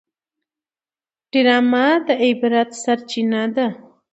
ډرامه د عبرت سرچینه ده